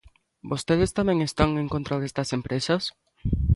¿Vostedes tamén están en contra destas empresas?